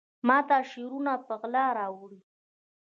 ماته شعرونه په غلا راوړي